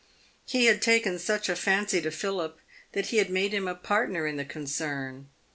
He had taken such a fancy to Philip that he had made him a partner in the concern.